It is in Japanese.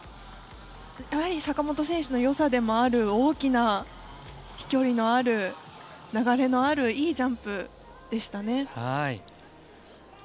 坂本選手のよさでもある大きな飛距離のある、流れのあるいいジャンプでしたね。